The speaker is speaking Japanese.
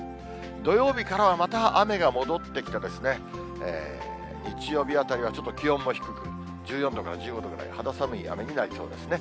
土曜日からはまた雨が戻ってきて、日曜日あたりはちょっと気温も低く、１４度から１５度ぐらい、肌寒い雨になりそうですね。